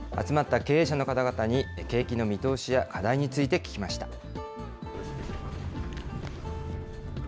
集まった経営者の方々に、景気の見通しや課題について聞きました。